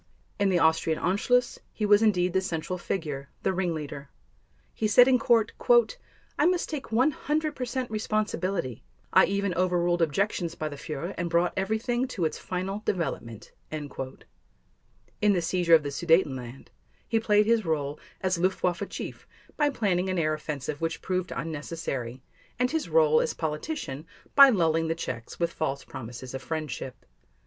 In the Austrian Anschluss, he was indeed the central figure, the ringleader. He said in Court: "I must take 100 percent responsibility. ... I even overruled objections by the Führer and brought everything to its final development." In the seizure of the Sudetenland, he played his role as Luftwaffe chief by planning an air offensive which proved unnecessary, and his role as politician by lulling the Czechs with false promises of friendship.